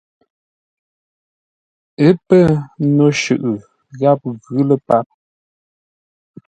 Ə́ pə́́ no shʉʼʉ gháp ghʉ lə́ páp.